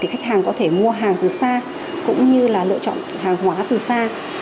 khách hàng có thể mua hàng từ xa cũng như là lựa chọn hàng hóa từ xa